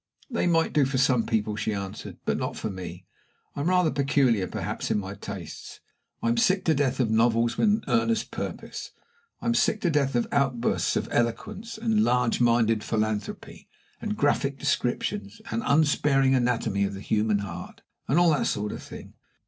"They might do for some people," she answered, "but not for me. I'm rather peculiar, perhaps, in my tastes. I'm sick to death of novels with an earnest purpose. I'm sick to death of outbursts of eloquence, and large minded philanthropy, and graphic descriptions, and unsparing anatomy of the human heart, and all that sort of thing.